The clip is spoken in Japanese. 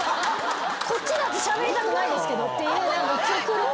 こっちだってしゃべりたくないですけどっていう極論。